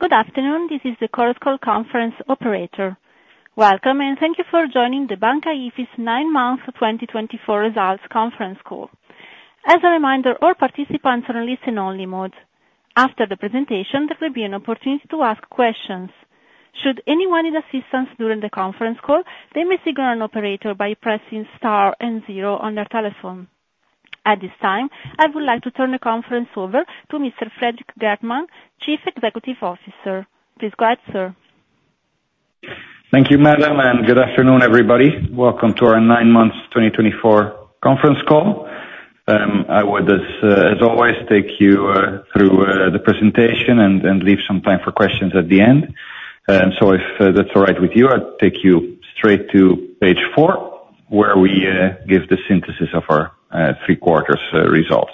Good afternoon, this is the Chorus Call conference operator. Welcome, and thank you for joining the Banca IFIS nine months 2024 results conference call. As a reminder, all participants are in listen-only mode. After the presentation, there will be an opportunity to ask questions. Should anyone need assistance during the conference call, they may signal an operator by pressing star and zero on their telephone. At this time, I would like to turn the conference over to Mr. Frederik Geertman, Chief Executive Officer. Please go ahead, sir. Thank you, Madam, and good afternoon, everybody. Welcome to our nine months 2024 conference call. I would, as always, take you through the presentation and leave some time for questions at the end. So if that's all right with you, I'll take you straight to page four, where we give the synthesis of our three-quarters results.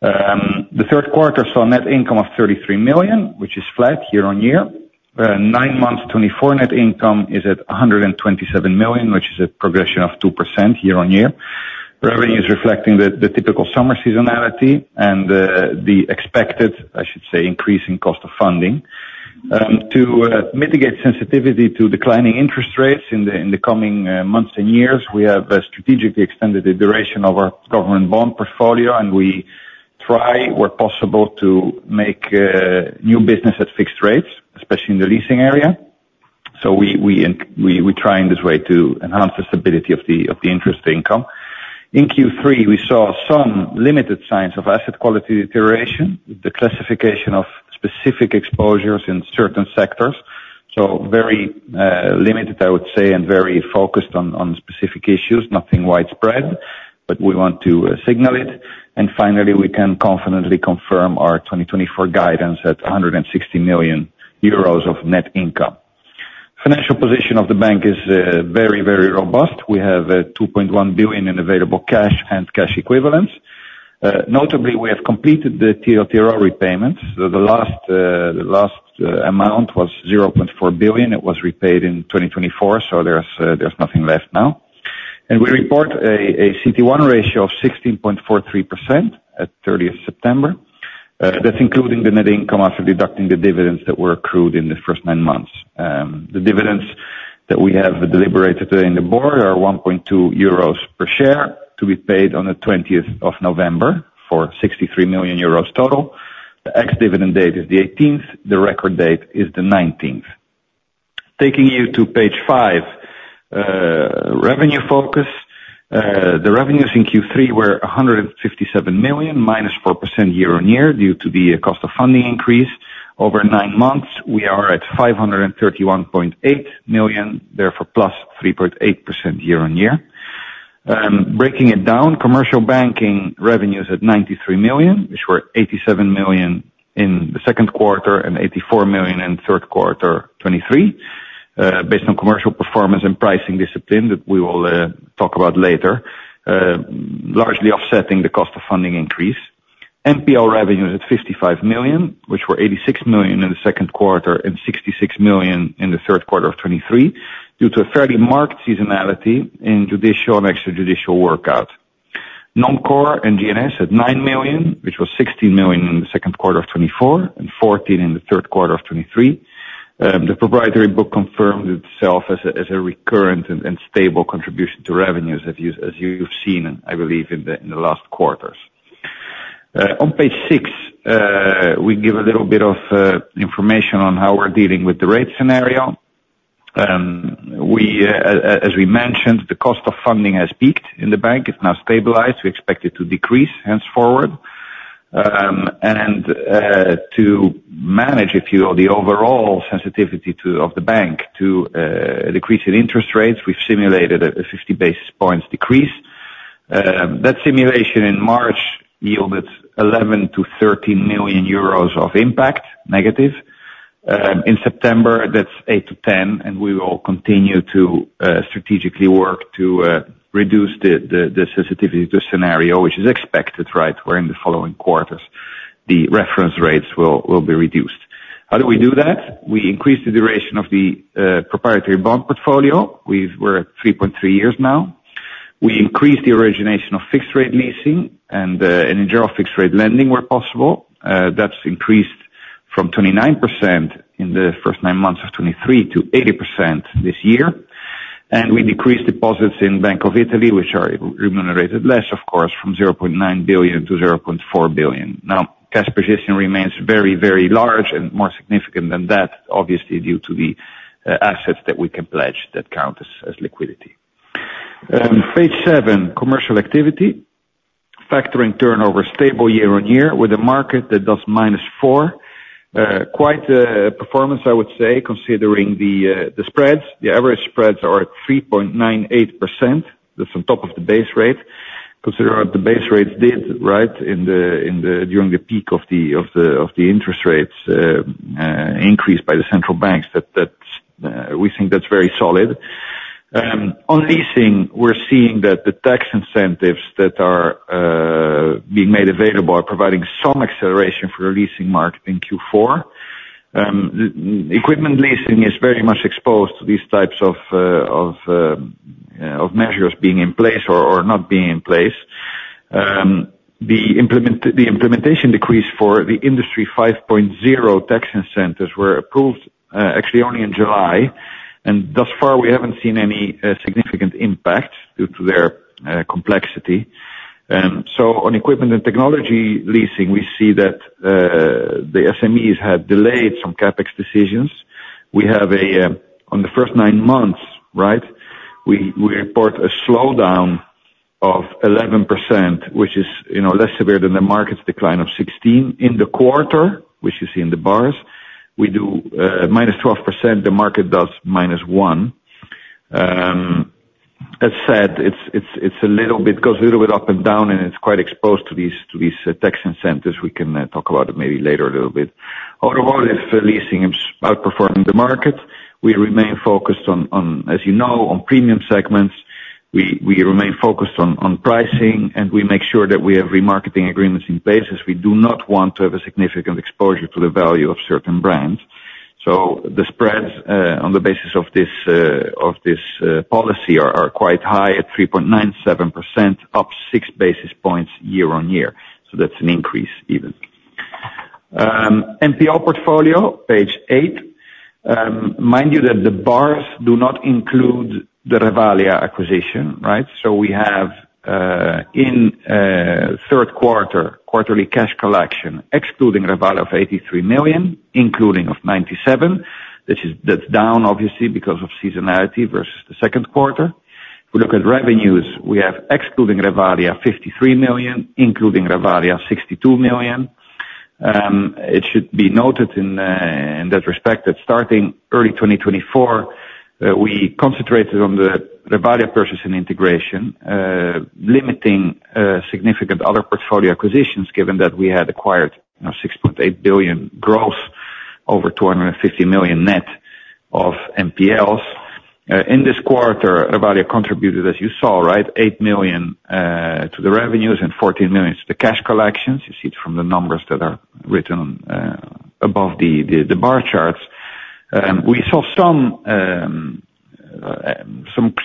The third quarter saw net income of 33 million, which is flat year on year. nine months 2024 net income is at 127 million, which is a progression of 2% year on year. Revenues reflecting the typical summer seasonality and the expected, I should say, increase in cost of funding. To mitigate sensitivity to declining interest rates in the coming months and years, we have strategically extended the duration of our government bond portfolio, and we try, where possible, to make new business at fixed rates, especially in the leasing area. We try in this way to enhance the stability of the interest income. In Q3, we saw some limited signs of asset quality deterioration, the classification of specific exposures in certain sectors. Very limited, I would say, and very focused on specific issues, nothing widespread, but we want to signal it. Finally, we can confidently confirm our 2024 guidance at 160 million euros of net income. Financial position of the bank is very, very robust. We have 2.1 billion in available cash and cash equivalents. Notably, we have completed the TLTRO repayments. The last amount was 0.4 billion. It was repaid in 2024, so there's nothing left now. We report a CET1 ratio of 16.43% at 30 September. That's including the net income after deducting the dividends that were accrued in the first nine months. The dividends that we have deliberated today in the board are 1.2 euros per share to be paid on the 20th of November for 63 million euros total. The ex-dividend date is the 18th. The record date is the 19th. Taking you to page five, revenue focus. The revenues in Q3 were 157 million, -4% year on year due to the cost of funding increase. Over nine months, we are at 531.8 million, therefore +3.8% year on year. Breaking it down, commercial banking revenues at 93 million, which were 87 million in the second quarter and 84 million in the third quarter 2023, based on commercial performance and pricing discipline that we will talk about later, largely offsetting the cost of funding increase. NPL revenues at 55 million, which were 86 million in the second quarter and 66 million in the third quarter of 2023, due to a fairly marked seasonality in judicial and extrajudicial work out. Non Core and G&S at 9 million, which was 16 million in the second quarter of 2024 and 14 in the third quarter of 2023. The proprietary book confirmed itself as a recurrent and stable contribution to revenues, as you've seen, I believe, in the last quarters. On page six, we give a little bit of information on how we're dealing with the rate scenario. As we mentioned, the cost of funding has peaked in the bank. It's now stabilized. We expect it to decrease henceforth, and to manage, if you will, the overall sensitivity of the bank to decreasing interest rates, we've simulated a 50 basis points decrease. That simulation in March yielded 11 million-13 million euros of impact, negative. In September, that's 8 million-10 million, and we will continue to strategically work to reduce the sensitivity to scenario, which is expected, right, where in the following quarters the reference rates will be reduced. How do we do that? We increase the duration of the proprietary bond portfolio. We're at 3.3 years now. We increase the origination of fixed-rate leasing and in general fixed-rate lending where possible. That's increased from 29% in the first nine months of 2023 to 80% this year, and we decrease deposits in Bank of Italy, which are remunerated less, of course, from 0.9 billion to 0.4 billion. Now, cash position remains very, very large and more significant than that, obviously, due to the assets that we can pledge that count as liquidity. Page seven, commercial activity. Factoring turnover stable year on year with a market that does -4%. Quite a performance, I would say, considering the spreads. The average spreads are at 3.98%. That's on top of the base rate. Considering what the base rates did, right, during the peak of the interest rates increased by the central banks, we think that's very solid. On leasing, we're seeing that the tax incentives that are being made available are providing some acceleration for the leasing market in Q4. Equipment leasing is very much exposed to these types of measures being in place or not being in place. The implementation decree for the Industry 5.0 tax incentives were approved, actually, only in July. And thus far, we haven't seen any significant impact due to their complexity. So on equipment and technology leasing, we see that the SMEs have delayed some CapEx decisions. We have, on the first nine months, right, we report a slowdown of 11%, which is less severe than the market's decline of 16%. In the quarter, which you see in the bars, we do -12%. The market does -1%. That said, it's a little bit goes a little bit up and down, and it's quite exposed to these tax incentives. We can talk about it maybe later a little bit. Automotive leasing is outperforming the market. We remain focused on, as you know, on premium segments. We remain focused on pricing, and we make sure that we have remarketing agreements in place as we do not want to have a significant exposure to the value of certain brands. So the spreads on the basis of this policy are quite high at 3.97%, up six basis points year on year. So that's an increase even. NPL portfolio, page eight. Mind you that the bars do not include the Revalea acquisition, right? So we have in third quarter, quarterly cash collection, excluding Revalea of 83 million, including of 97 million. That's down, obviously, because of seasonality versus the second quarter. If we look at revenues, we have, excluding Revalea, 53 million, including Revalea, 62 million. It should be noted in that respect that starting early 2024, we concentrated on the Revalea purchase and integration, limiting significant other portfolio acquisitions given that we had acquired 6.8 billion gross, over 250 million net of NPLs. In this quarter, Revalea contributed, as you saw, right, 8 million to the revenues and 14 million to the cash collections. You see it from the numbers that are written above the bar charts. We saw some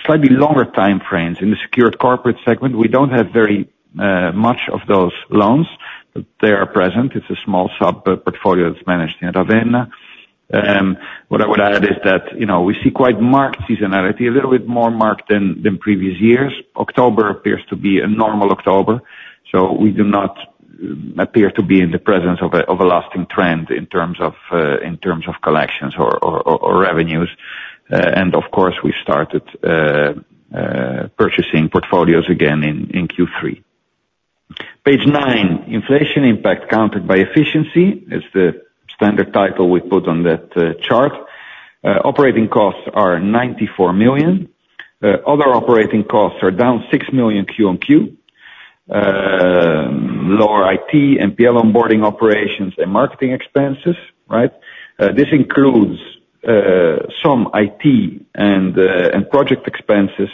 slightly longer time frames in the secured corporate segment. We don't have very much of those loans. They are present. It's a small sub-portfolio that's managed in Ravenna. What I would add is that we see quite marked seasonality, a little bit more marked than previous years. October appears to be a normal October. So we do not appear to be in the presence of a lasting trend in terms of collections or revenues. And of course, we started purchasing portfolios again in Q3. Page nine, inflation impact counted by efficiency. It's the standard title we put on that chart. Operating costs are 94 million. Other operating costs are down 6 million QoQ. Lower IT, NPL onboarding operations, and marketing expenses, right? This includes some IT and project expenses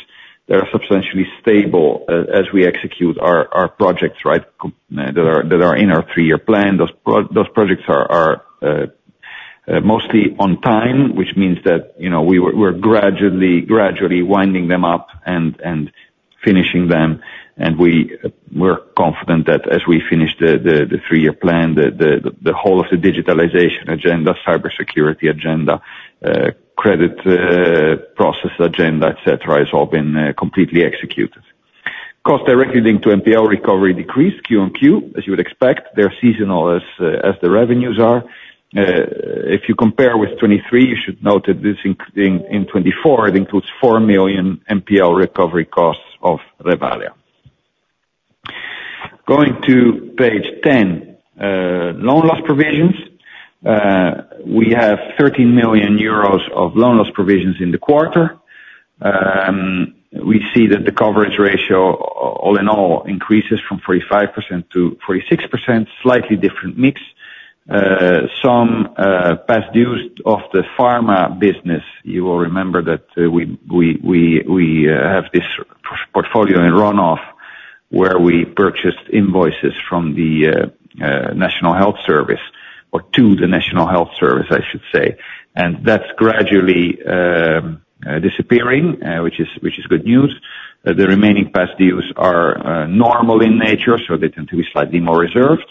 that are substantially stable as we execute our projects, right, that are in our three-year plan. Those projects are mostly on time, which means that we're gradually winding them up and finishing them. We're confident that as we finish the three-year plan, the whole of the digitalization agenda, cybersecurity agenda, credit process agenda, etc., has all been completely executed. Cost directly linked to NPL recovery decreased QoQ, as you would expect. They're seasonal as the revenues are. If you compare with 2023, you should note that in 2024, it includes 4 million NPL recovery costs of Revalea. Going to page 10, loan loss provisions. We have 13 million euros of loan loss provisions in the quarter. We see that the coverage ratio all in all increases from 45% to 46%, slightly different mix. Some past dues of the pharma business. You will remember that we have this portfolio in runoff where we purchased invoices from the National Health Service or to the National Health Service, I should say. That's gradually disappearing, which is good news. The remaining past dues are normal in nature, so they tend to be slightly more reserved.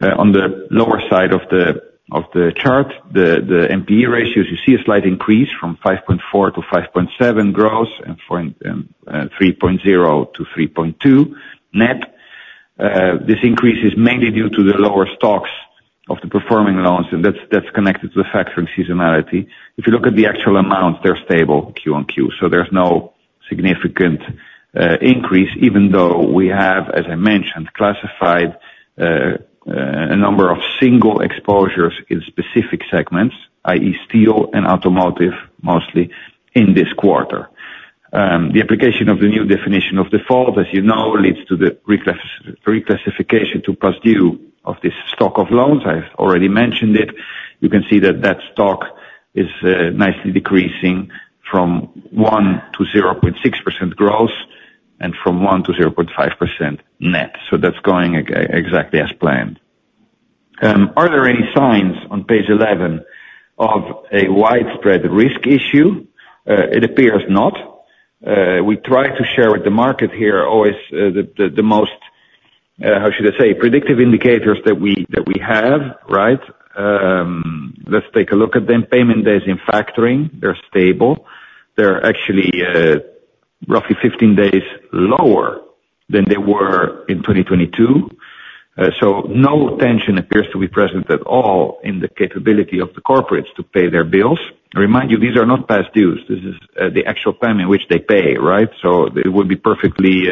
On the lower side of the chart, the NPE ratios, you see a slight increase from 5.4% to 5.7% gross and 3.0% to 3.2% net. This increase is mainly due to the lower stocks of the performing loans, and that's connected to the factoring seasonality. If you look at the actual amounts, they're stable QoQ. So there's no significant increase, even though we have, as I mentioned, classified a number of single exposures in specific segments, i.e., steel and automotive mostly in this quarter. The application of the new definition of default, as you know, leads to the reclassification to past due of this stock of loans. I've already mentioned it. You can see that that stock is nicely decreasing from 1% to 0.6% gross and from 1% to 0.5% net. So that's going exactly as planned. Are there any signs on page 11 of a widespread risk issue? It appears not. We try to share with the market here always the most, how should I say, predictive indicators that we have, right? Let's take a look at them. Payment days in factoring, they're stable. They're actually roughly 15 days lower than they were in 2022. So no tension appears to be present at all in the capability of the corporates to pay their bills. I remind you, these are not past dues. This is the actual payment which they pay, right? So it would be perfectly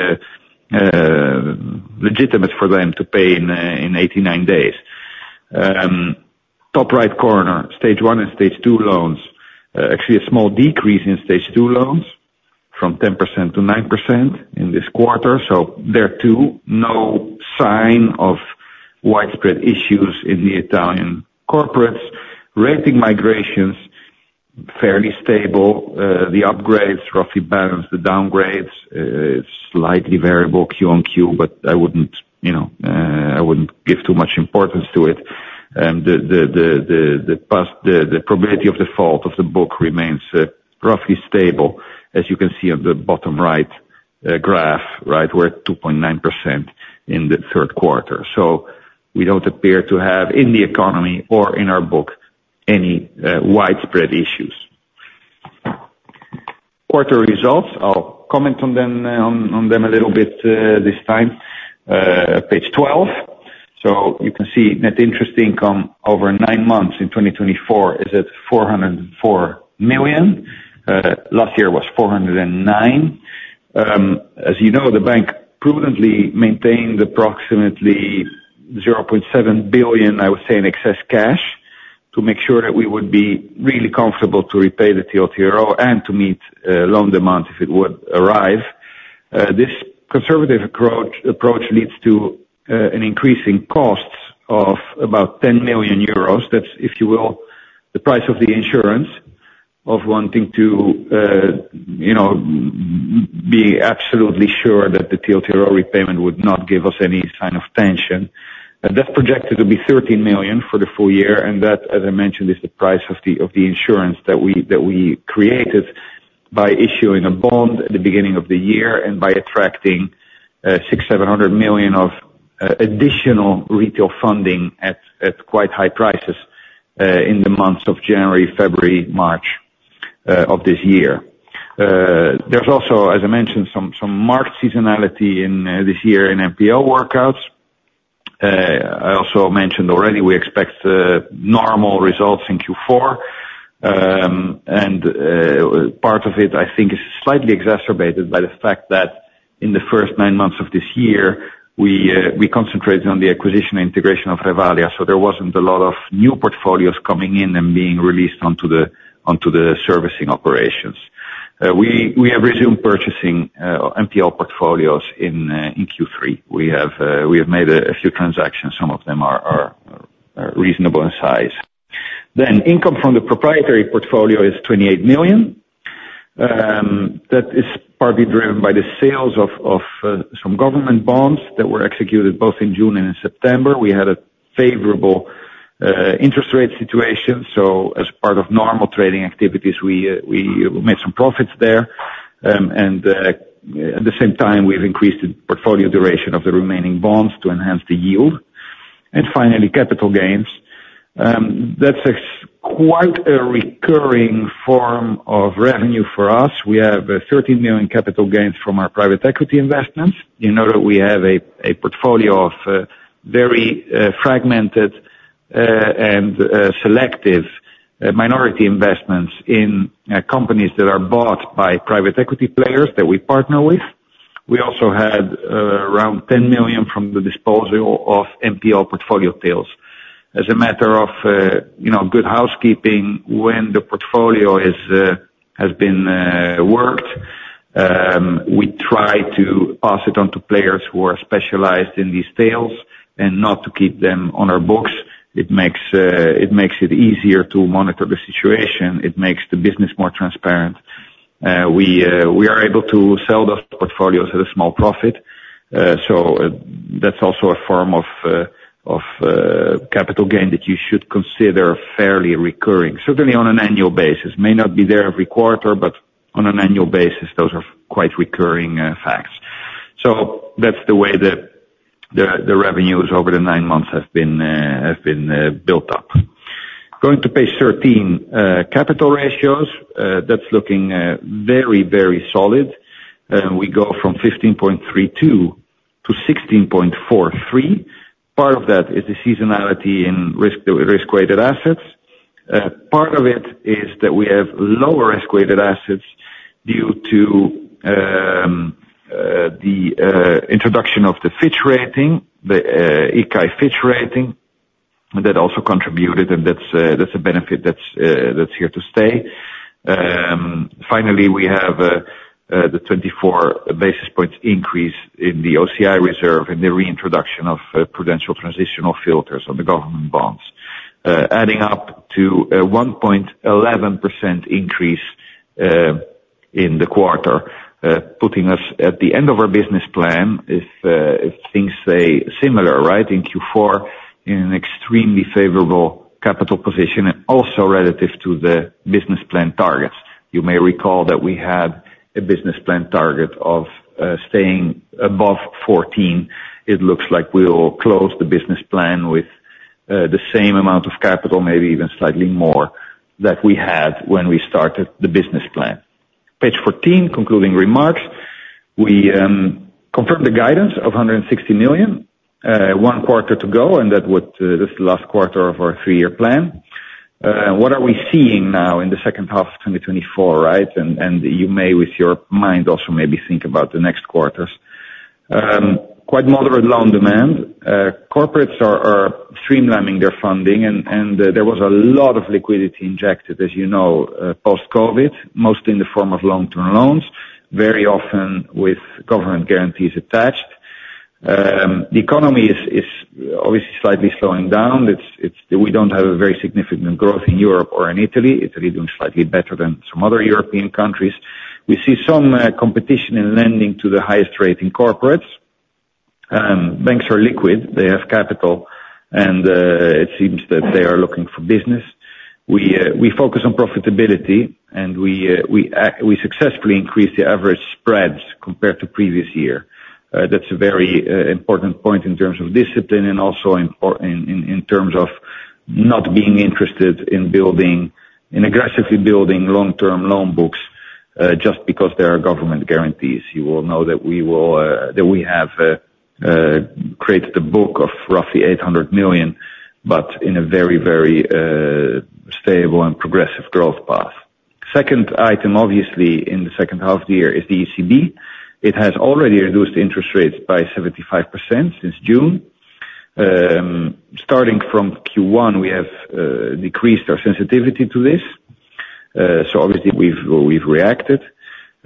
legitimate for them to pay in 89 days. Top right corner, Stage 1 and Stage 2 loans. Actually, a small decrease in Stage 2 loans from 10% to 9% in this quarter. So there too, no sign of widespread issues in the Italian corporates. Rating migrations fairly stable. The upgrades roughly balance the downgrades. It's slightly variable QoQ, but I wouldn't give too much importance to it. The probability of default of the book remains roughly stable, as you can see on the bottom right graph, right, where 2.9% in the third quarter. So we don't appear to have in the economy or in our book any widespread issues. Quarter results. I'll comment on them a little bit this time. Page 12. So you can see net interest income over nine months in 2024 is at 404 million. Last year was 409 million. As you know, the bank prudently maintained approximately 0.7 billion, I would say, in excess cash to make sure that we would be really comfortable to repay the TLTRO and to meet loan demand if it would arrive. This conservative approach leads to an increase in costs of about 10 million euros. That's, if you will, the price of the insurance of wanting to be absolutely sure that the TLTRO repayment would not give us any sign of tension. That's projected to be 13 million for the full year. And that, as I mentioned, is the price of the insurance that we created by issuing a bond at the beginning of the year and by attracting 600 million-700 million of additional retail funding at quite high prices in the months of January, February, March of this year. There's also, as I mentioned, some marked seasonality in this year in NPL workouts. I also mentioned already we expect normal results in Q4. And part of it, I think, is slightly exacerbated by the fact that in the first nine months of this year, we concentrated on the acquisition and integration of Revalea. So there wasn't a lot of new portfolios coming in and being released onto the servicing operations. We have resumed purchasing NPL portfolios in Q3. We have made a few transactions. Some of them are reasonable in size. Then income from the proprietary portfolio is 28 million. That is partly driven by the sales of some government bonds that were executed both in June and in September. We had a favorable interest rate situation. So as part of normal trading activities, we made some profits there. And at the same time, we've increased the portfolio duration of the remaining bonds to enhance the yield. And finally, capital gains. That's quite a recurring form of revenue for us. We have 13 million capital gains from our private equity investments. You know that we have a portfolio of very fragmented and selective minority investments in companies that are bought by private equity players that we partner with. We also had around 10 million from the disposal of NPL portfolio tails. As a matter of good housekeeping, when the portfolio has been worked, we try to pass it on to players who are specialized in these tails and not to keep them on our books. It makes it easier to monitor the situation. It makes the business more transparent. We are able to sell those portfolios at a small profit. So that's also a form of capital gain that you should consider fairly recurring, certainly on an annual basis. May not be there every quarter, but on an annual basis, those are quite recurring facts. So that's the way the revenues over the nine months have been built up. Going to page 13, capital ratios. That's looking very, very solid. We go from 15.32% to 16.43%. Part of that is the seasonality in risk-weighted assets. Part of it is that we have lower risk-weighted assets due to the introduction of the Fitch rating, the IG Fitch rating, and that also contributed. And that's a benefit that's here to stay. Finally, we have the 24 basis points increase in the OCI reserve and the reintroduction of prudential transitional filters on the government bonds, adding up to a 1.11% increase in the quarter, putting us at the end of our business plan, if things stay similar, right, in Q4, in an extremely favorable capital position and also relative to the business plan targets. You may recall that we had a business plan target of staying above 14%. It looks like we will close the business plan with the same amount of capital, maybe even slightly more, that we had when we started the business plan. Page 14, concluding remarks. We confirmed the guidance of 160 million. One quarter to go, and that's the last quarter of our three-year plan. What are we seeing now in the second half of 2024, right? And you may, with your mind, also maybe think about the next quarters. Quite moderate loan demand. Corporates are streamlining their funding, and there was a lot of liquidity injected, as you know, post-COVID, mostly in the form of long-term loans, very often with government guarantees attached. The economy is obviously slightly slowing down. We don't have a very significant growth in Europe or in Italy. Italy is doing slightly better than some other European countries. We see some competition in lending to the highest rating corporates. Banks are liquid. They have capital, and it seems that they are looking for business. We focus on profitability, and we successfully increased the average spreads compared to previous year. That's a very important point in terms of discipline and also in terms of not being interested in aggressively building long-term loan books just because there are government guarantees. You will know that we have created a book of roughly 800 million, but in a very, very stable and progressive growth path. Second item, obviously, in the second half of the year is the ECB. It has already reduced interest rates by 75% since June. Starting from Q1, we have decreased our sensitivity to this. So obviously, we've reacted.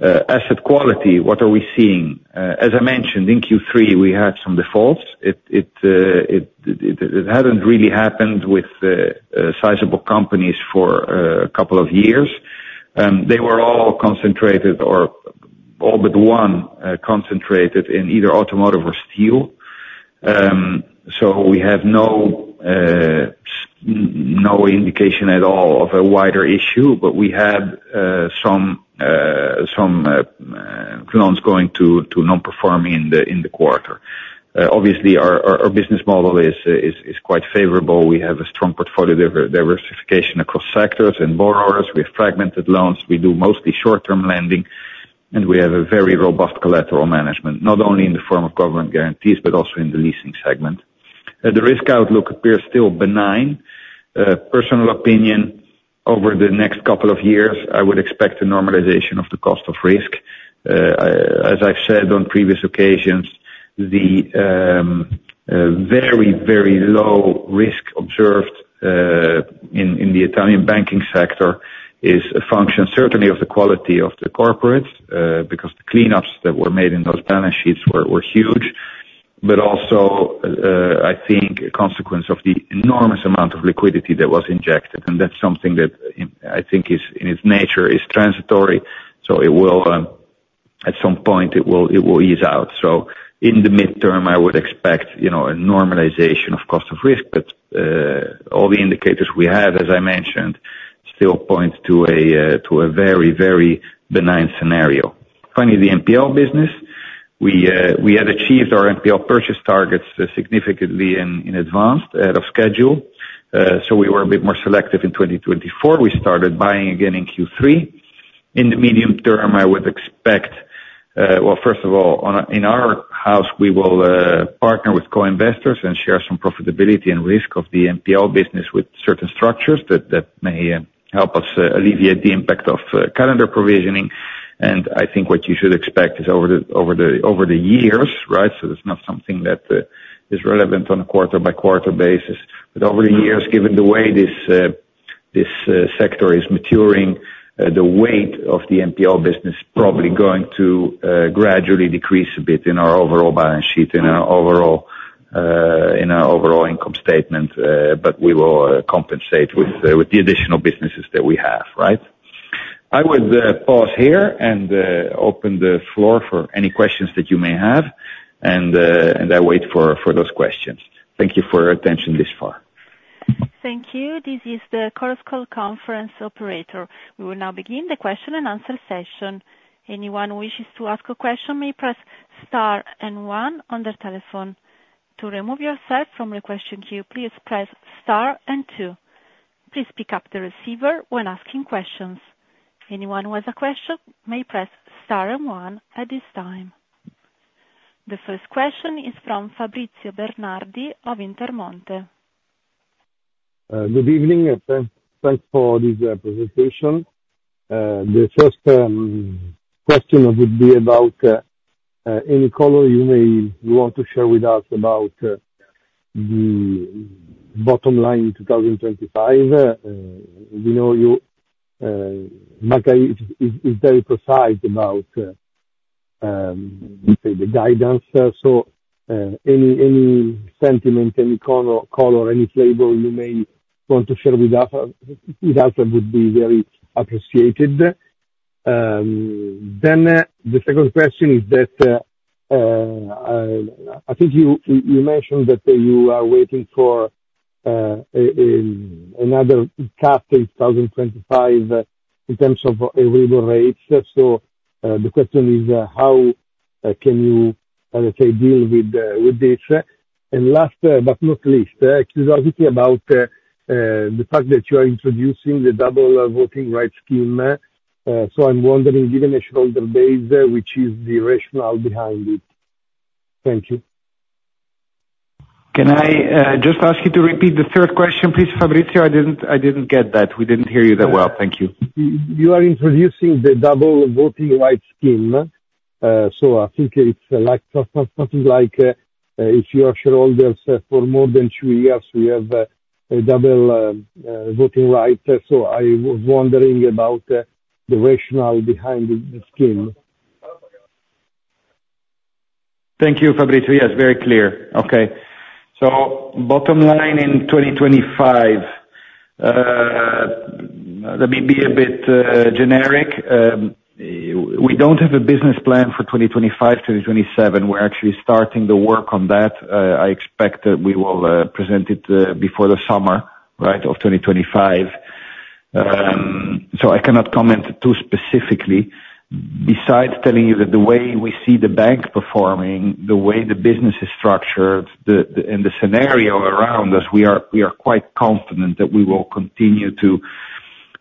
Asset quality, what are we seeing? As I mentioned, in Q3, we had some defaults. It hadn't really happened with sizable companies for a couple of years. They were all concentrated or all but one concentrated in either automotive or steel. So we have no indication at all of a wider issue, but we had some loans going to non-performing in the quarter. Obviously, our business model is quite favorable. We have a strong portfolio diversification across sectors and borrowers. We have fragmented loans. We do mostly short-term lending, and we have a very robust collateral management, not only in the form of government guarantees, but also in the leasing segment. The risk outlook appears still benign. Personal opinion, over the next couple of years, I would expect a normalization of the cost of risk. As I've said on previous occasions, the very, very low risk observed in the Italian banking sector is a function, certainly, of the quality of the corporates because the cleanups that were made in those balance sheets were huge, but also, I think, a consequence of the enormous amount of liquidity that was injected, and that's something that I think, in its nature, is transitory, so at some point, it will ease out, so in the midterm, I would expect a normalization of cost of risk, but all the indicators we have, as I mentioned, still point to a very, very benign scenario. Finally, the NPL business, we had achieved our NPL purchase targets significantly in advance ahead of schedule, so we were a bit more selective in 2024. We started buying again in Q3. In the medium term, I would expect, well, first of all, in our house, we will partner with co-investors and share some profitability and risk of the NPL business with certain structures that may help us alleviate the impact of calendar provisioning. And I think what you should expect is over the years, right? So it's not something that is relevant on a quarter-by-quarter basis. But over the years, given the way this sector is maturing, the weight of the NPL business is probably going to gradually decrease a bit in our overall balance sheet, in our overall income statement, but we will compensate with the additional businesses that we have, right? I would pause here and open the floor for any questions that you may have, and I wait for those questions. Thank you for your attention this far. Thank you. This is the Chorus Call conference operator. We will now begin the question and answer session. Anyone who wishes to ask a question may press star and one on their telephone. To remove yourself from the question queue, please press star and two. Please pick up the receiver when asking questions. Anyone who has a question may press star and one at this time. The first question is from Fabrizio Bernardi of Intermonte. Good evening. Thanks for this presentation. The first question would be about any color you may want to share with us about the bottom line in 2025. We know you, Banca IFIS, is very precise about the guidance. So any sentiment, any color, any flavor you may want to share with us would be very appreciated. Then the second question is that I think you mentioned that you are waiting for another CAF 2025 in terms of arrival rates. The question is, how can you, let's say, deal with this? And last but not least, curiosity about the fact that you are introducing the double voting rights scheme. So I'm wondering, given the shareholder base, which is the rationale behind it? Thank you. Can I just ask you to repeat the third question, please, Fabrizio? I didn't get that. We didn't hear you that well. Thank you. You are introducing the double voting rights scheme. So I think it's something like if your shareholders for more than two years, we have a double voting rights. So I was wondering about the rationale behind the scheme. Thank you, Fabrizio. Yes, very clear. Okay. So bottom line in 2025, let me be a bit generic. We don't have a business plan for 2025, 2027. We're actually starting the work on that. I expect that we will present it before the summer, right, of 2025. So I cannot comment too specifically. Besides telling you that the way we see the bank performing, the way the business is structured, and the scenario around us, we are quite confident that we will continue to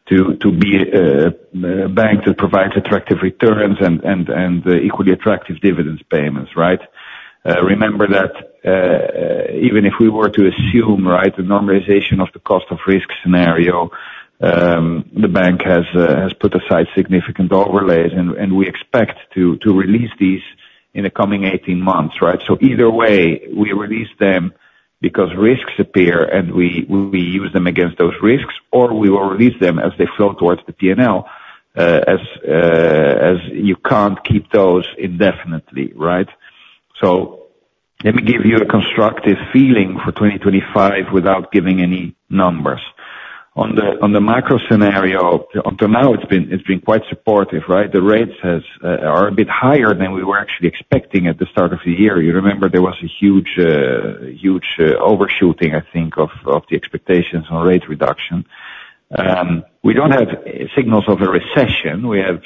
be a bank that provides attractive returns and equally attractive dividends payments, right? Remember that even if we were to assume, right, the normalization of the cost of risk scenario, the bank has put aside significant overlays, and we expect to release these in the coming 18 months, right? So either way, we release them because risks appear, and we use them against those risks, or we will release them as they flow towards the P&L, as you can't keep those indefinitely, right? So let me give you a constructive feeling for 2025 without giving any numbers. On the macro scenario, until now, it's been quite supportive, right? The rates are a bit higher than we were actually expecting at the start of the year. You remember there was a huge overshooting, I think, of the expectations on rate reduction. We don't have signals of a recession. We have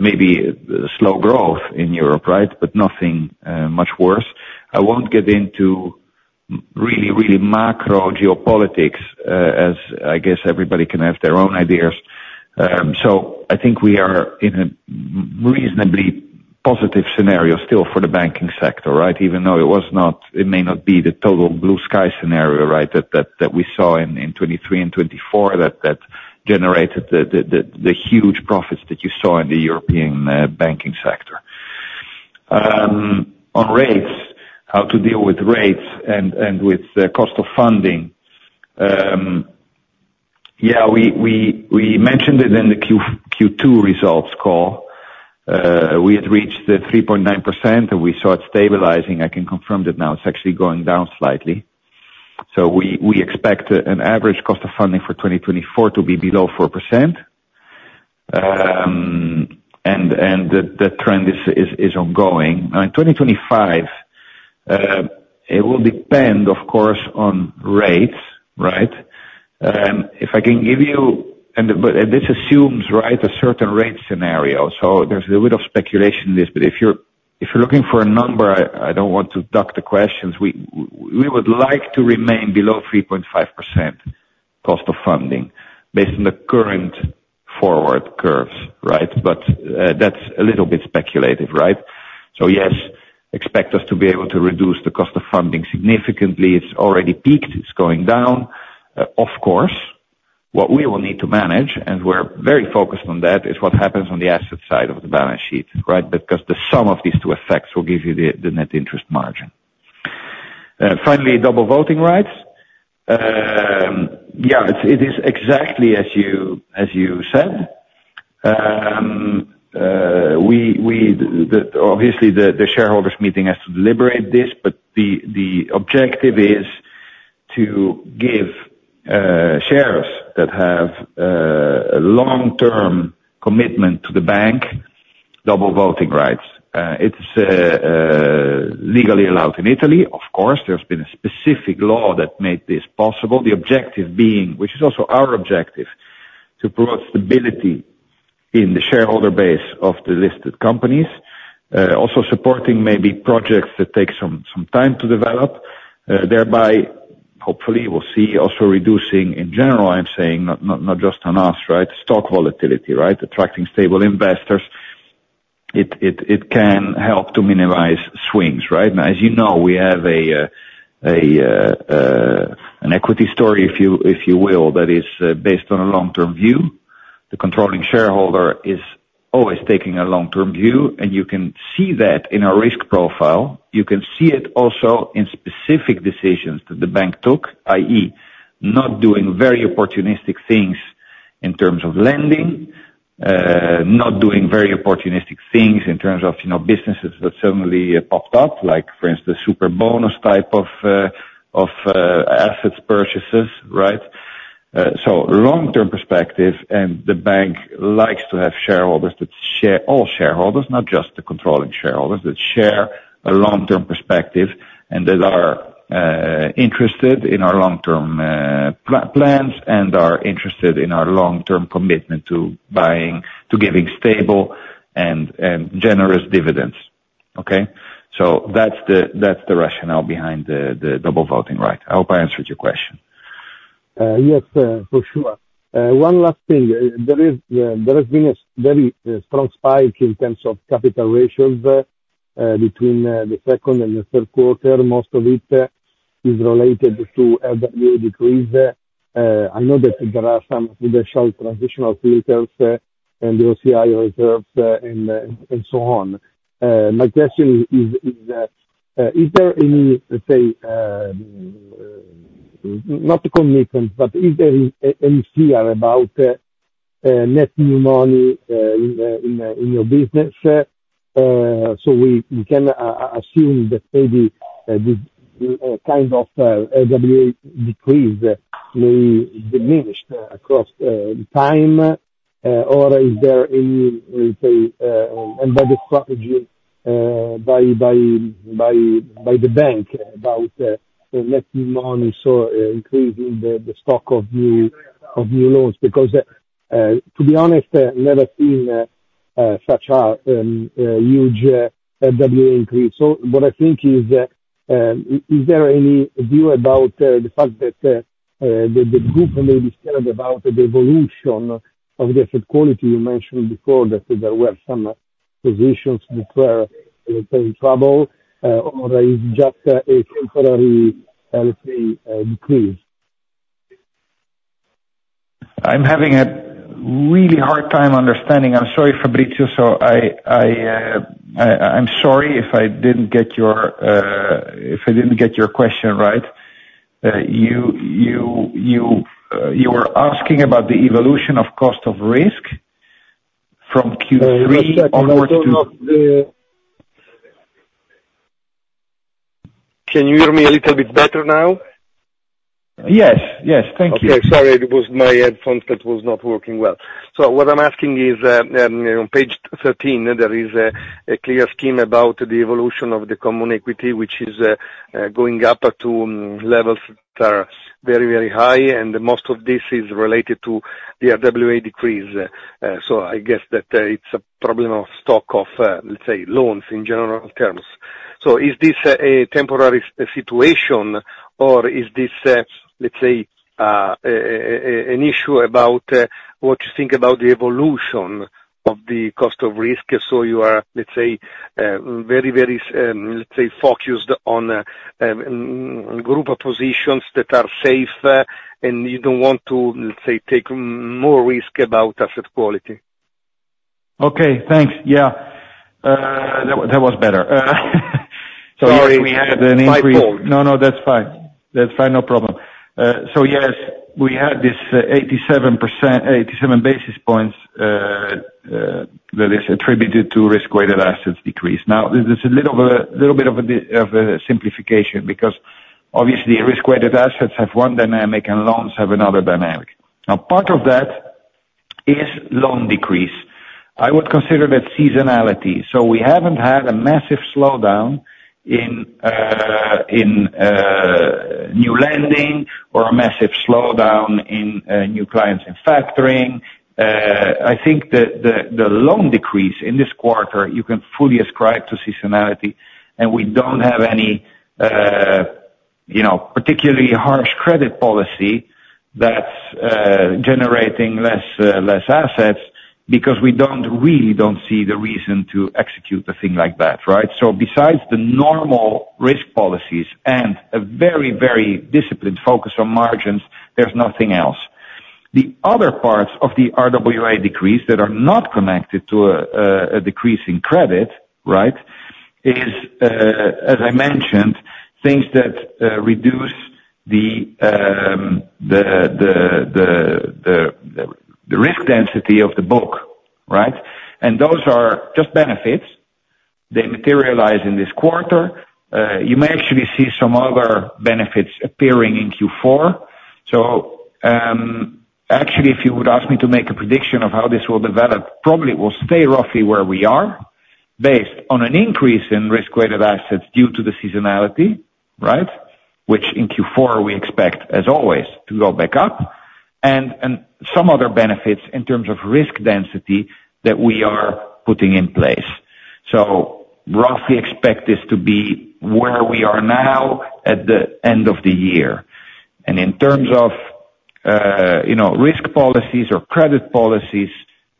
maybe slow growth in Europe, right, but nothing much worse. I won't get into really, really macro geopolitics, as I guess everybody can have their own ideas. So I think we are in a reasonably positive scenario still for the banking sector, right? Even though it may not be the total blue sky scenario, right, that we saw in 2023 and 2024 that generated the huge profits that you saw in the European banking sector. On rates, how to deal with rates and with the cost of funding? Yeah, we mentioned it in the Q2 results call. We had reached 3.9%, and we saw it stabilizing. I can confirm that now it's actually going down slightly, so we expect an average cost of funding for 2024 to be below 4%, and that trend is ongoing. In 2025, it will depend, of course, on rates, right? If I can give you, and this assumes, right, a certain rate scenario, so there's a little bit of speculation in this, but if you're looking for a number, I don't want to duck the questions. We would like to remain below 3.5% cost of funding based on the current forward curves, right, but that's a little bit speculative, right, so yes, expect us to be able to reduce the cost of funding significantly. It's already peaked. It's going down, of course. What we will need to manage, and we're very focused on that, is what happens on the asset side of the balance sheet, right? Because the sum of these two effects will give you the net interest margin. Finally, double voting rights. Yeah, it is exactly as you said. Obviously, the shareholders' meeting has to deliberate this, but the objective is to give shares that have a long-term commitment to the bank double voting rights. It's legally allowed in Italy. Of course, there's been a specific law that made this possible. The objective being, which is also our objective, to promote stability in the shareholder base of the listed companies, also supporting maybe projects that take some time to develop. Thereby, hopefully, we'll see also reducing, in general, I'm saying, not just on us, right, stock volatility, right, attracting stable investors. It can help to minimize swings, right? As you know, we have an equity story, if you will, that is based on a long-term view. The controlling shareholder is always taking a long-term view, and you can see that in our risk profile. You can see it also in specific decisions that the bank took, i.e., not doing very opportunistic things in terms of lending, not doing very opportunistic things in terms of businesses that suddenly popped up, like, for instance, Superbonus type of assets purchases, right? Long-term perspective, and the bank likes to have shareholders that share all shareholders, not just the controlling shareholders, that share a long-term perspective and that are interested in our long-term plans and are interested in our long-term commitment to giving stable and generous dividends. Okay? That's the rationale behind the double voting rights. I hope I answered your question. Yes, for sure. One last thing. There has been a very strong spike in terms of capital ratios between the second and the third quarter. Most of it is related to RWA decrease. I know that there are some transitional filters and the OCI reserves and so on. My question is, is there any, let's say, not commitment, but is there any fear about net new money in your business? So we can assume that maybe this kind of RWA decrease may diminish across time, or is there any, let's say, embedded strategy by the bank about net new money increasing the stock of new loans? Because, to be honest, I've never seen such a huge RWA decrease. So what I think is there any view about the fact that the group may be scared about the evolution of the asset quality you mentioned before, that there were some positions that were in trouble, or is it just a temporary, let's say, decrease? I'm having a really hard time understanding. I'm sorry, Fabrizio. So I'm sorry if I didn't get your question right. You were asking about the evolution of cost of risk from Q3 onwards to. Can you hear me a little bit better now? Yes. Yes. Thank you. Okay. Sorry. It was my headphones that were not working well. So what I'm asking is, on page 13, there is a clear scheme about the evolution of the common equity, which is going up to levels that are very, very high, and most of this is related to the RWA decrease. So I guess that it's a problem of stock of, let's say, loans in general terms. So is this a temporary situation, or is this, let's say, an issue about what you think about the evolution of the cost of risk? So you are, let's say, very, very, let's say, focused on a group of positions that are safe, and you don't want to, let's say, take more risk about asset quality. Okay. Thanks. Yeah. That was better. Sorry. We had an increase. No, no. That's fine. That's fine. No problem. So yes, we had this 87 basis points that is attributed to risk-weighted assets decrease. Now, there's a little bit of a simplification because, obviously, risk-weighted assets have one dynamic and loans have another dynamic. Now, part of that is loan decrease. I would consider that seasonality. So we haven't had a massive slowdown in new lending or a massive slowdown in new clients in factoring. I think the loan decrease in this quarter, you can fully ascribe to seasonality, and we don't have any particularly harsh credit policy that's generating less assets because we really don't see the reason to execute a thing like that, right? So besides the normal risk policies and a very, very disciplined focus on margins, there's nothing else. The other parts of the RWA decrease that are not connected to a decrease in credit, right, is, as I mentioned, things that reduce the risk density of the book, right? And those are just benefits. They materialize in this quarter. You may actually see some other benefits appearing in Q4. So actually, if you would ask me to make a prediction of how this will develop, probably it will stay roughly where we are based on an increase in risk-weighted assets due to the seasonality, right, which in Q4 we expect, as always, to go back up, and some other benefits in terms of risk density that we are putting in place. So roughly expect this to be where we are now at the end of the year. And in terms of risk policies or credit policies,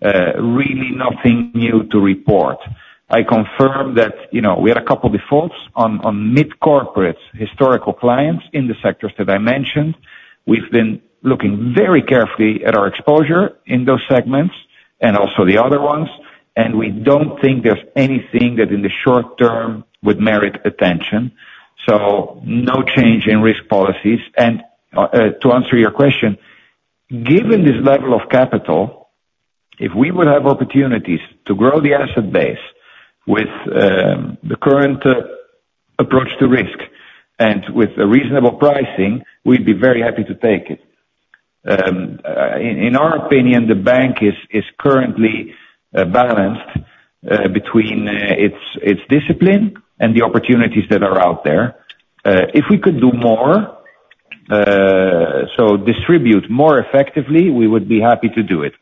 really nothing new to report. I confirm that we had a couple of defaults on mid-corporate historical clients in the sectors that I mentioned. We've been looking very carefully at our exposure in those segments and also the other ones, and we don't think there's anything that in the short term would merit attention. So no change in risk policies. And to answer your question, given this level of capital, if we would have opportunities to grow the asset base with the current approach to risk and with reasonable pricing, we'd be very happy to take it. In our opinion, the bank is currently balanced between its discipline and the opportunities that are out there. If we could do more, so distribute more effectively, we would be happy to do it.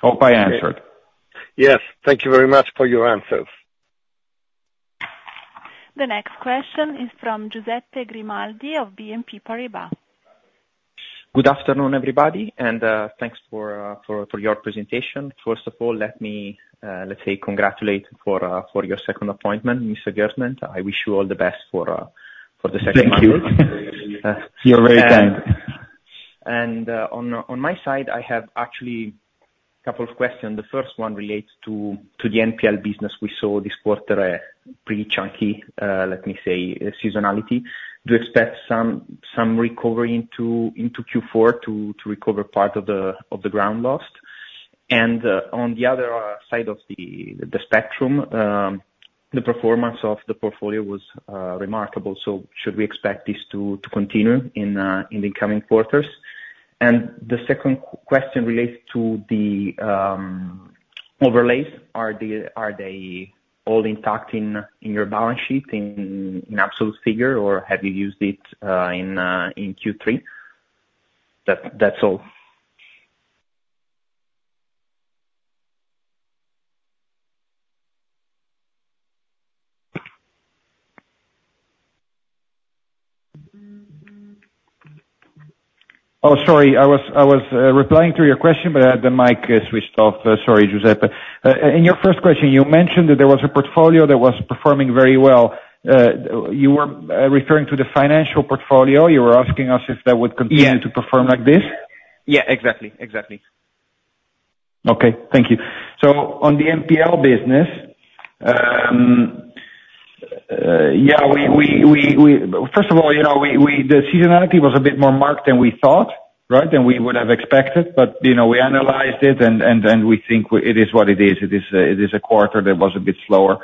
Hope I answered. Yes. Thank you very much for your answers. The next question is from Giuseppe Grimaldi of BNP Paribas. Good afternoon, everybody, and thanks for your presentation. First of all, let me, let's say, congratulate for your second appointment, Mr. Geertman. I wish you all the best for the second month. Thank you. You're very kind. And on my side, I have actually a couple of questions. The first one relates to the NPL business. We saw this quarter a pretty chunky, let me say, seasonality. Do you expect some recovery into Q4 to recover part of the ground lost? And on the other side of the spectrum, the performance of the portfolio was remarkable. So should we expect this to continue in the coming quarters? And the second question relates to the overlays. Are they all intact in your balance sheet in absolute figure, or have you used it in Q3? That's all. Oh, sorry. I was replying to your question, but I had the mic switched off. Sorry, Giuseppe. In your first question, you mentioned that there was a portfolio that was performing very well. You were referring to the financial portfolio. You were asking us if that would continue to perform like this. Yeah. Exactly. Exactly. Okay. Thank you. So on the NPL business, yeah, first of all, the seasonality was a bit more marked than we thought, right, than we would have expected. But we analyzed it, and we think it is what it is. It is a quarter that was a bit slower.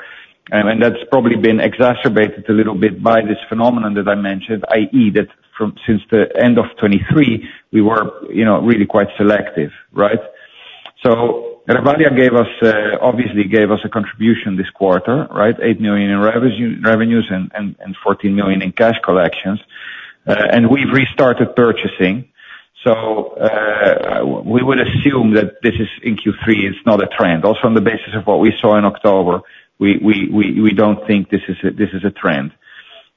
And that's probably been exacerbated a little bit by this phenomenon that I mentioned, i.e., that since the end of 2023, we were really quite selective, right? So Revalea obviously gave us a contribution this quarter, right? 8 million in revenues and 14 million in cash collections. And we've restarted purchasing. So we would assume that this is in Q3. It's not a trend. Also, on the basis of what we saw in October, we don't think this is a trend.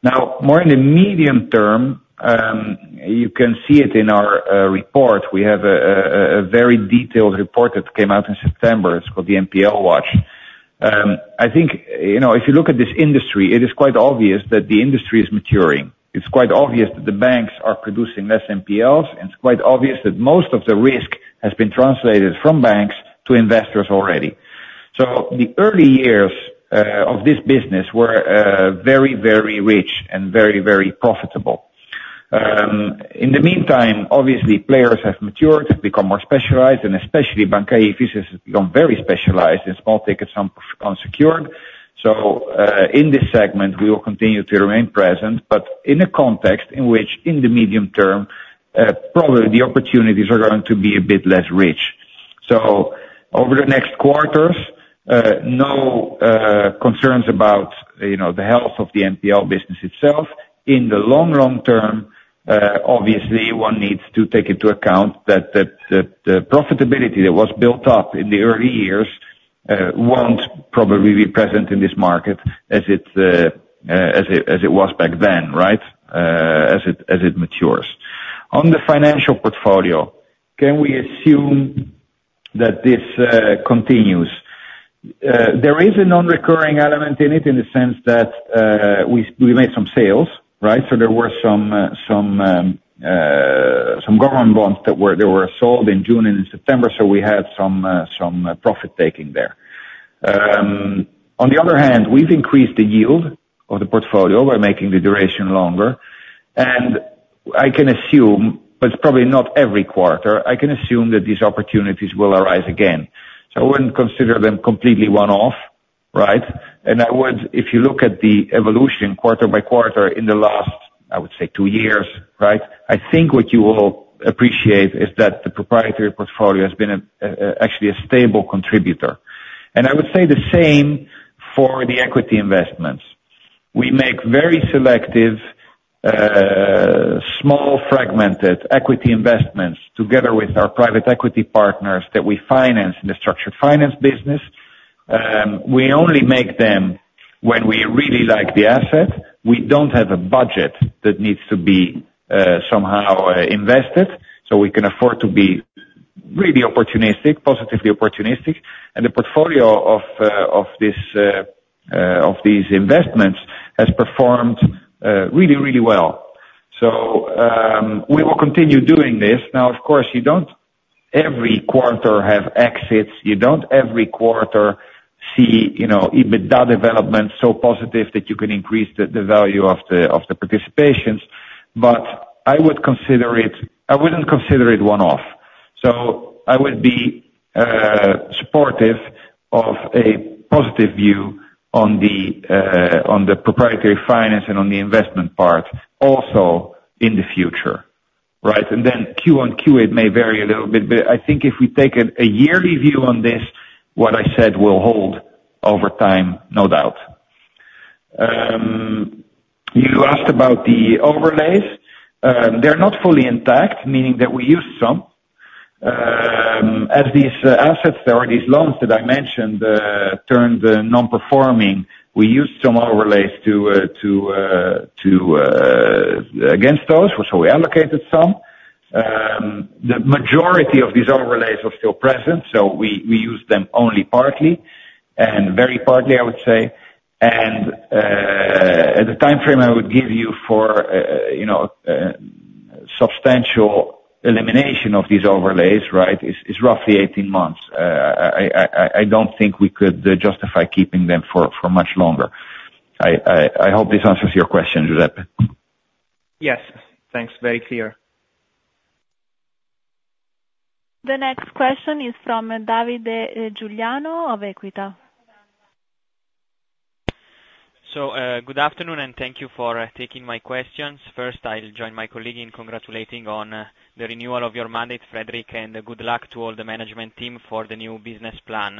Now, more in the medium term, you can see it in our report. We have a very detailed report that came out in September. It's called the NPL Watch. I think if you look at this industry, it is quite obvious that the industry is maturing. It's quite obvious that the banks are producing less NPLs, and it's quite obvious that most of the risk has been translated from banks to investors already. So the early years of this business were very, very rich and very, very profitable. In the meantime, obviously, players have matured, become more specialized, and especially Banca IFIS has become very specialized in small tickets on secured. So in this segment, we will continue to remain present, but in a context in which, in the medium term, probably the opportunities are going to be a bit less rich. So over the next quarters, no concerns about the health of the NPL business itself. In the long, long term, obviously, one needs to take into account that the profitability that was built up in the early years won't probably be present in this market as it was back then, right, as it matures. On the financial portfolio, can we assume that this continues? There is a non-recurring element in it in the sense that we made some sales, right, so there were some government bonds that were sold in June and in September, so we had some profit-taking there. On the other hand, we've increased the yield of the portfolio by making the duration longer, and I can assume, but it's probably not every quarter, I can assume that these opportunities will arise again, so I wouldn't consider them completely one-off, right? And if you look at the evolution quarter by quarter in the last, I would say, two years, right, I think what you will appreciate is that the proprietary portfolio has been actually a stable contributor. And I would say the same for the equity investments. We make very selective, small, fragmented equity investments together with our private equity partners that we finance in the structured finance business. We only make them when we really like the asset. We don't have a budget that needs to be somehow invested, so we can afford to be really opportunistic, positively opportunistic. And the portfolio of these investments has performed really, really well. So we will continue doing this. Now, of course, you don't every quarter have exits. You don't every quarter see EBITDA developments so positive that you can increase the value of the participations. But I would consider it. I wouldn't consider it one-off. So I would be supportive of a positive view on the proprietary finance and on the investment part also in the future, right? And then QoQ may vary a little bit, but I think if we take a yearly view on this, what I said will hold over time, no doubt. You asked about the overlays. They're not fully intact, meaning that we used some. As these assets or these loans that I mentioned turned non-performing, we used some overlays against those, so we allocated some. The majority of these overlays are still present, so we used them only partly and very partly, I would say. And the timeframe I would give you for substantial elimination of these overlays, right, is roughly 18 months. I don't think we could justify keeping them for much longer. I hope this answers your question, Giuseppe. Yes. Thanks. Very clear. The next question is from Davide Giuliano of Equita. Good afternoon, and thank you for taking my questions. First, I'll join my colleague in congratulating on the renewal of your mandate, Frederik, and good luck to all the management team for the new business plan.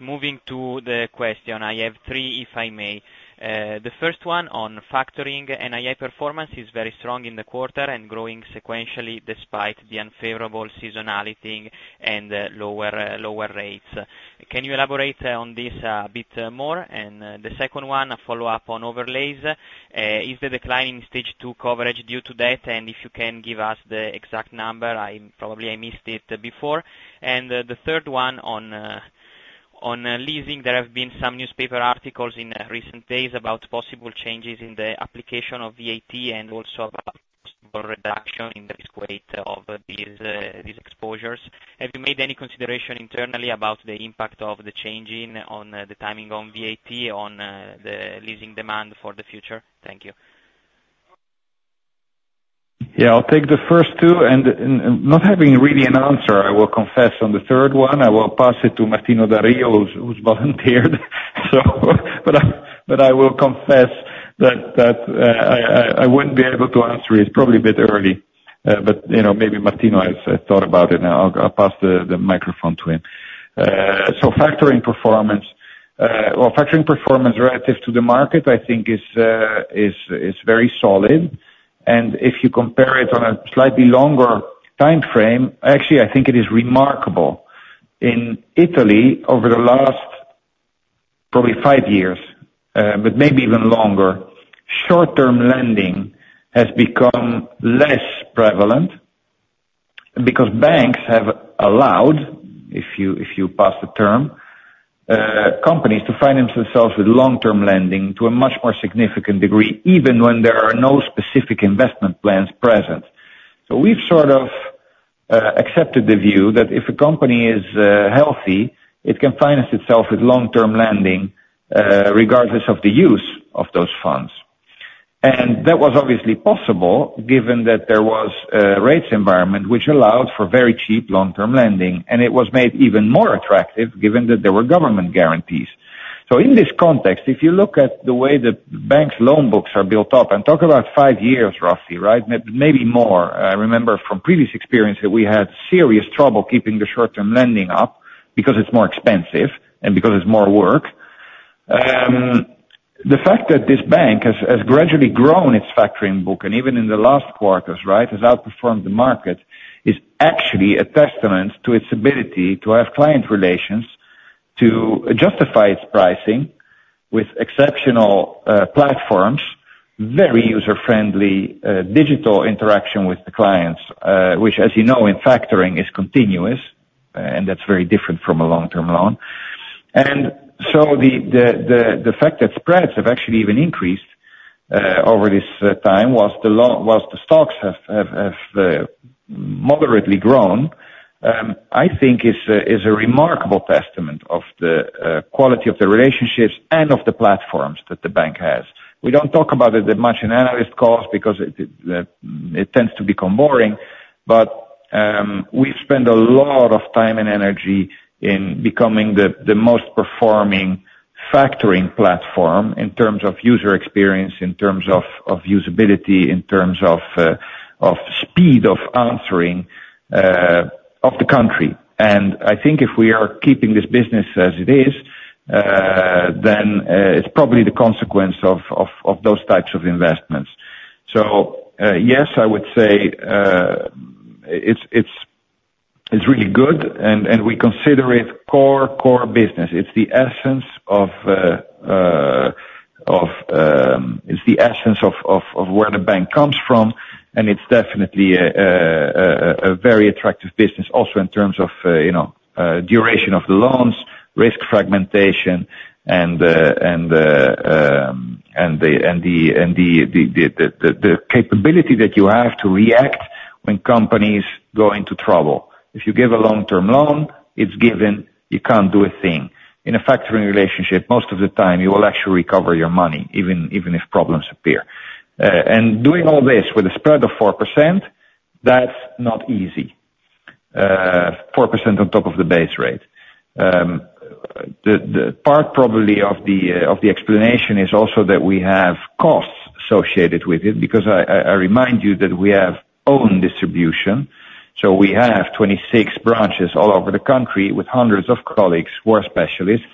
Moving to the question, I have three, if I may. The first one on factoring and NPL performance is very strong in the quarter and growing sequentially despite the unfavorable seasonality and lower rates. Can you elaborate on this a bit more? And the second one, a follow-up on overlays. Is the decline in stage two coverage due to debt? And if you can give us the exact number, probably I missed it before. And the third one on leasing, there have been some newspaper articles in recent days about possible changes in the application of VAT and also about possible reduction in the risk weight of these exposures. Have you made any consideration internally about the impact of the changing on the timing on VAT, on the leasing demand for the future? Thank you. Yeah. I'll take the first two. And not having really an answer, I will confess, on the third one, I will pass it to Martino Da Rio, who's volunteered. But I will confess that I wouldn't be able to answer it. It's probably a bit early. But maybe Martino has thought about it, and I'll pass the microphone to him. So factoring performance well, factoring performance relative to the market, I think, is very solid. And if you compare it on a slightly longer timeframe, actually, I think it is remarkable. In Italy, over the last probably five years, but maybe even longer, short-term lending has become less prevalent because banks have allowed, if you pass the term, companies to find themselves with long-term lending to a much more significant degree, even when there are no specific investment plans present. So we've sort of accepted the view that if a company is healthy, it can finance itself with long-term lending regardless of the use of those funds. And that was obviously possible given that there was a rates environment which allowed for very cheap long-term lending. And it was made even more attractive given that there were government guarantees. In this context, if you look at the way that banks' loan books are built up, and talk about five years, roughly, right, maybe more, I remember from previous experience that we had serious trouble keeping the short-term lending up because it's more expensive and because it's more work. The fact that this bank has gradually grown its factoring book and even in the last quarters, right, has outperformed the market is actually a testament to its ability to have client relations to justify its pricing with exceptional platforms, very user-friendly digital interaction with the clients, which, as you know, in factoring is continuous, and that's very different from a long-term loan. And so the fact that spreads have actually even increased over this time while the stocks have moderately grown, I think, is a remarkable testament of the quality of the relationships and of the platforms that the bank has. We don't talk about it that much in analyst calls because it tends to become boring, but we spend a lot of time and energy in becoming the most performing factoring platform in terms of user experience, in terms of usability, in terms of speed of answering of the country. And I think if we are keeping this business as it is, then it's probably the consequence of those types of investments. So yes, I would say it's really good, and we consider it core business. It's the essence of where the bank comes from, and it's definitely a very attractive business also in terms of duration of the loans, risk fragmentation, and the capability that you have to react when companies go into trouble. If you give a long-term loan, it's given you can't do a thing. In a factoring relationship, most of the time, you will actually recover your money, even if problems appear. And doing all this with a spread of 4%, that's not easy. 4% on top of the base rate. The part probably of the explanation is also that we have costs associated with it because I remind you that we have own distribution. So we have 26 branches all over the country with hundreds of colleagues who are specialists.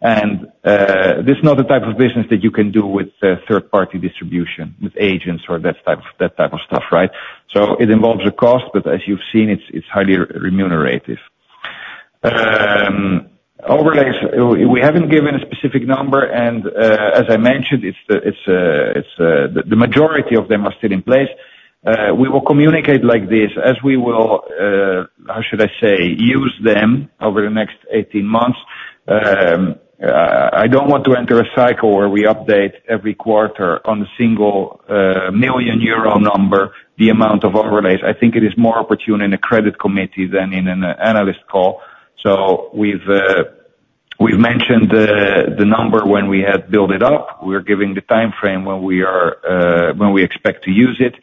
This is not the type of business that you can do with third-party distribution, with agents or that type of stuff, right? It involves a cost, but as you've seen, it's highly remunerative. Overlays, we haven't given a specific number, and as I mentioned, the majority of them are still in place. We will communicate like this as we will, how should I say, use them over the next 18 months. I don't want to enter a cycle where we update every quarter on a single million EUR number, the amount of overlays. I think it is more opportune in a credit committee than in an analyst call. We've mentioned the number when we had built it up. We're giving the timeframe when we expect to use it.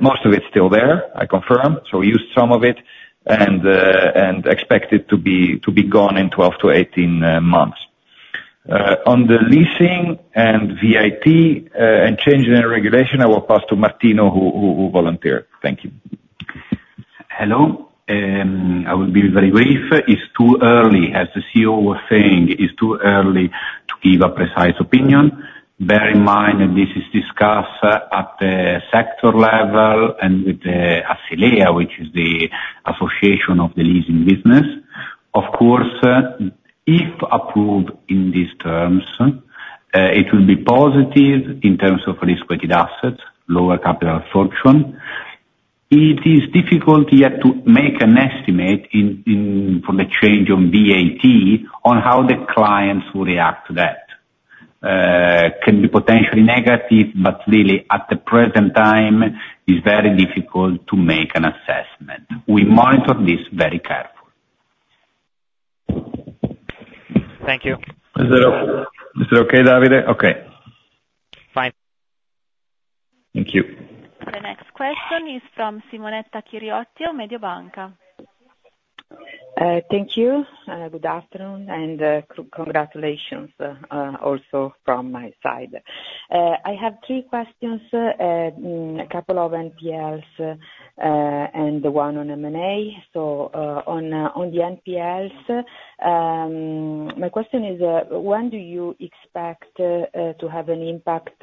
Most of it's still there, I confirm. We used some of it and expect it to be gone in 12 to 18 months. On the leasing and VAT and changes in regulation, I will pass to Martino who volunteered. Thank you. Hello. I will be very brief. It's too early, as the CEO was saying. It's too early to give a precise opinion. Bear in mind that this is discussed at the sector level and with the Assilea, which is the association of the leasing business. Of course, if approved in these terms, it will be positive in terms of risk-weighted assets, lower capital requirements. It is difficult yet to make an estimate for the change on VAT on how the clients will react to that. It can be potentially negative, but really, at the present time, it's very difficult to make an assessment. We monitor this very carefully. Thank you. Is it okay, Davide? Okay. Fine. Thank you. The next question is from Simonetta Chiriotti of Mediobanca. Thank you. Good afternoon and congratulations also from my side. I have three questions, a couple of NPLs and one on M&A. So on the NPLs, my question is, when do you expect to have an impact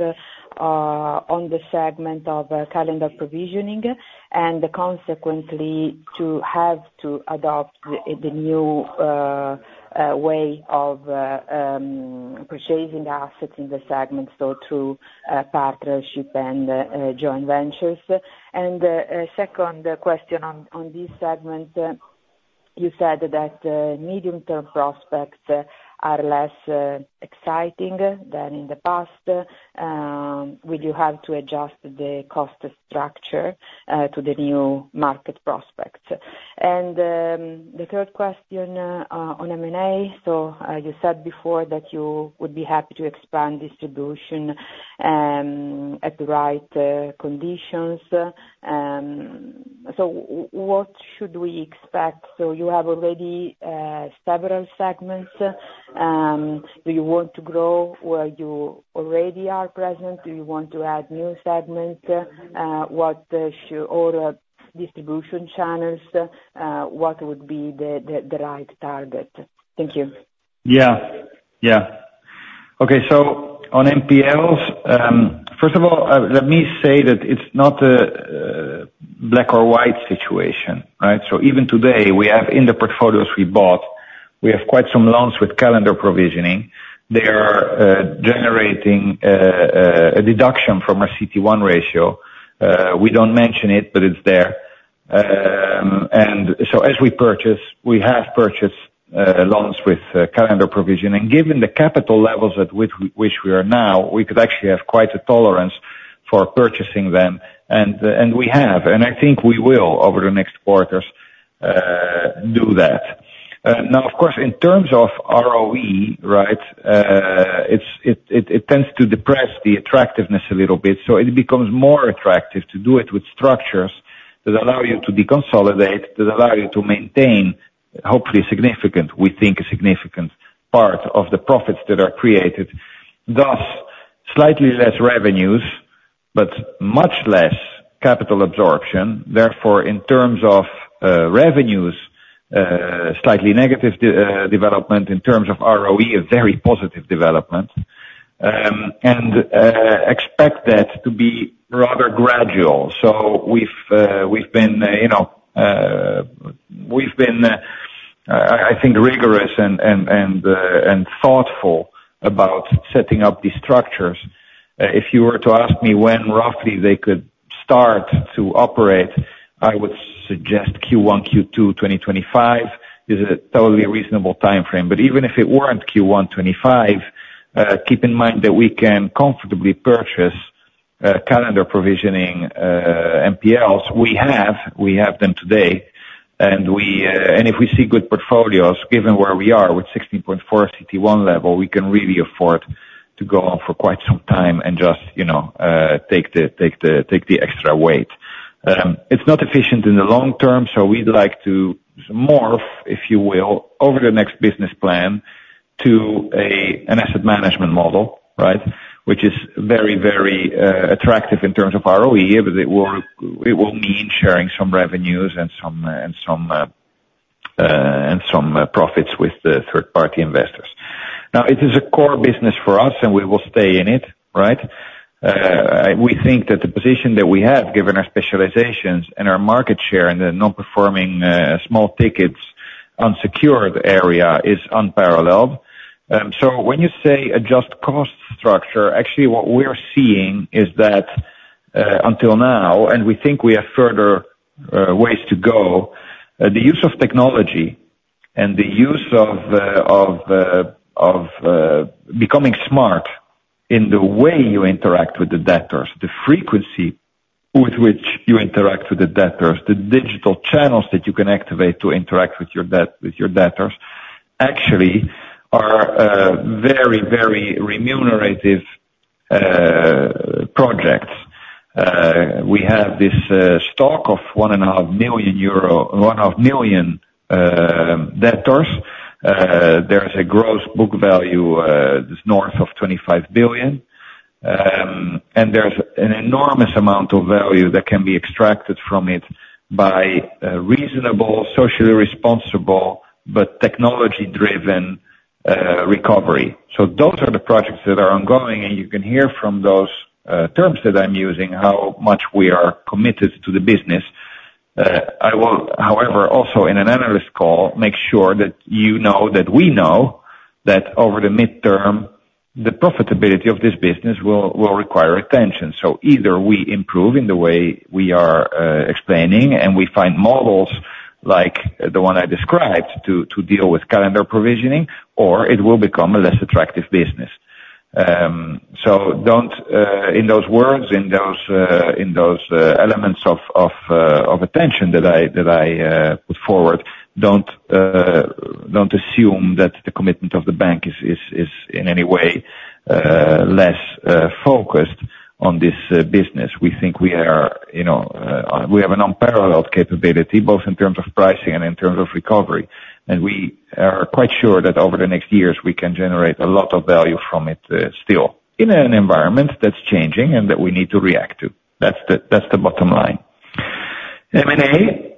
on the segment of calendar provisioning and consequently to have to adopt the new way of purchasing assets in the segment, so through partnership and joint ventures? And second question on this segment, you said that medium-term prospects are less exciting than in the past. Will you have to adjust the cost structure to the new market prospects? And the third question on M&A, so you said before that you would be happy to expand distribution at the right conditions. So what should we expect? So you have already several segments. Do you want to grow where you already are present? Do you want to add new segments? What distribution channels? What would be the right target? Thank you. Yeah. Yeah. Okay. So on NPLs, first of all, let me say that it's not a black or white situation, right? So even today, in the portfolios we bought, we have quite some loans with calendar provisioning. They are generating a deduction from our CET1 ratio. We don't mention it, but it's there. And so as we purchase, we have purchased loans with calendar provisioning. Given the capital levels at which we are now, we could actually have quite a tolerance for purchasing them, and we have, and I think we will over the next quarters do that. Now, of course, in terms of ROE, right, it tends to depress the attractiveness a little bit. So it becomes more attractive to do it with structures that allow you to deconsolidate, that allow you to maintain, hopefully, significant, we think a significant part of the profits that are created. Thus, slightly less revenues, but much less capital absorption. Therefore, in terms of revenues, slightly negative development. In terms of ROE, a very positive development. And expect that to be rather gradual. So we've been, I think, rigorous and thoughtful about setting up these structures. If you were to ask me when roughly they could start to operate, I would suggest Q1, Q2, 2025 is a totally reasonable timeframe. But even if it weren't Q1 2025, keep in mind that we can comfortably purchase calendar provisioning NPLs. We have them today. If we see good portfolios, given where we are with 16.4 CET1 level, we can really afford to go on for quite some time and just take the extra weight. It's not efficient in the long term, so we'd like to morph, if you will, over the next business plan to an asset management model, right, which is very, very attractive in terms of ROE, but it will mean sharing some revenues and some profits with third-party investors. Now, it is a core business for us, and we will stay in it, right? We think that the position that we have, given our specializations and our market share and the non-performing small tickets unsecured area, is unparalleled. So when you say adjust cost structure, actually what we're seeing is that until now, and we think we have further ways to go, the use of technology and the use of becoming smart in the way you interact with the debtors, the frequency with which you interact with the debtors, the digital channels that you can activate to interact with your debtors, actually are very, very remunerative projects. We have this stock of 1.5 million debtors. There is a gross book value north of 25 billion. And there's an enormous amount of value that can be extracted from it by reasonable, socially responsible, but technology-driven recovery. So those are the projects that are ongoing, and you can hear from those terms that I'm using how much we are committed to the business. I will, however, also in an analyst call, make sure that you know that we know that over the midterm, the profitability of this business will require attention. So either we improve in the way we are explaining and we find models like the one I described to deal with calendar provisioning, or it will become a less attractive business. So in those words, in those elements of attention that I put forward, don't assume that the commitment of the bank is in any way less focused on this business. We think we have an unparalleled capability, both in terms of pricing and in terms of recovery. And we are quite sure that over the next years, we can generate a lot of value from it still in an environment that's changing and that we need to react to. That's the bottom line. M&A?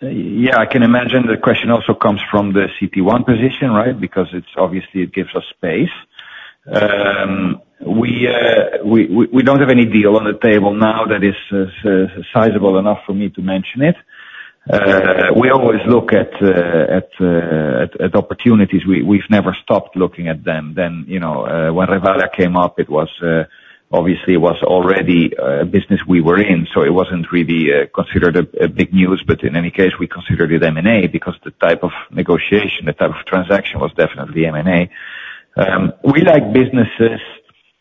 Yeah, I can imagine the question also comes from the CET1 position, right, because obviously it gives us space. We don't have any deal on the table now that is sizable enough for me to mention it. We always look at opportunities. We've never stopped looking at them. Then when Revalea came up, obviously it was already a business we were in, so it wasn't really considered a big news. But in any case, we considered it M&A because the type of negotiation, the type of transaction was definitely M&A. We like businesses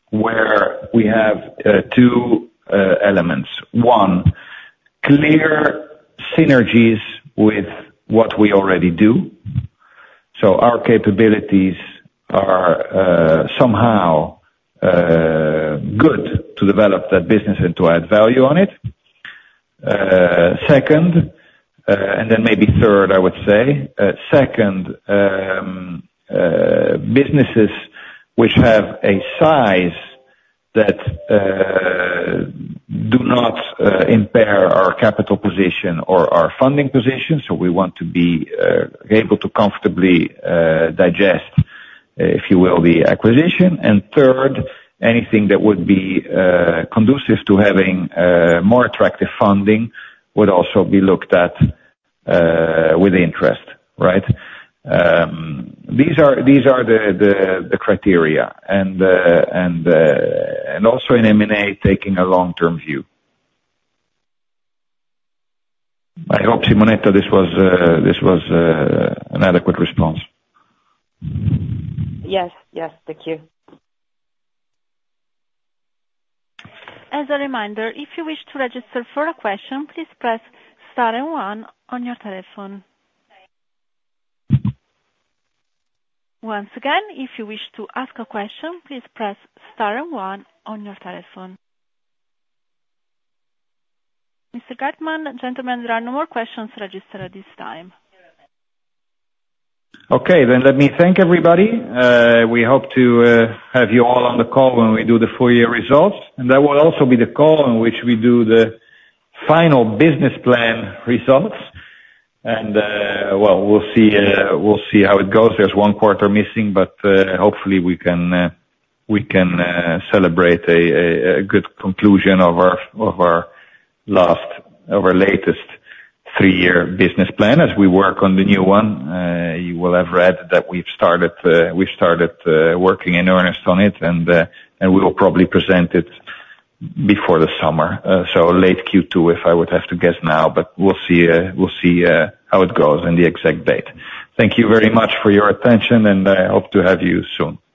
where we have two elements. One, clear synergies with what we already do. So our capabilities are somehow good to develop that business and to add value on it. Second, and then maybe third, I would say, second, businesses which have a size that do not impair our capital position or our funding position. So we want to be able to comfortably digest, if you will, the acquisition. And third, anything that would be conducive to having more attractive funding would also be looked at with interest, right? These are the criteria. And also in M&A, taking a long-term view. I hope, Simonetta, this was an adequate response. Yes. Yes. Thank you. As a reminder, if you wish to register for a question, please press star and one on your telephone. Once again, if you wish to ask a question, please press star and one on your telephone. Mr. Geertman, gentlemen, there are no more questions registered at this time. Okay. Then let me thank everybody. We hope to have you all on the call when we do the full year results. And that will also be the call in which we do the final business plan results. And well, we'll see how it goes. There's one quarter missing, but hopefully we can celebrate a good conclusion of our last, of our latest three-year business plan as we work on the new one. You will have read that we've started working in earnest on it, and we will probably present it before the summer. So late Q2, if I would have to guess now, but we'll see how it goes and the exact date. Thank you very much for your attention, and I hope to have you soon.